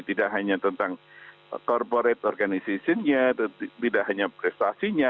tidak hanya tentang corporate organization nya tidak hanya prestasinya